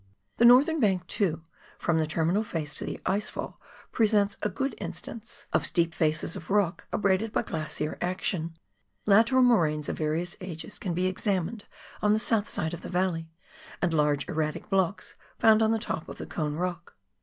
The northern bank too, from the terminal face to the ice fall, presents a good instance of steep faces of rock 122 PIONEER WORK IN THE ALPS OF NEW ZEALAND. abraded by glacier action. Lateral moraines of various ages can be examined on the south side of the valley, and large erratic blocks found on the top of the Cone Eock.